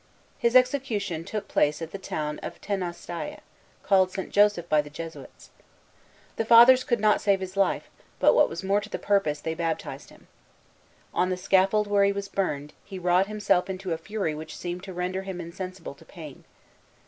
His execution took place at the town of Teanaustayé, called St. Joseph by the Jesuits. The Fathers could not save his life, but, what was more to the purpose, they baptized him. On the scaffold where he was burned, he wrought himself into a fury which seemed to render him insensible to pain.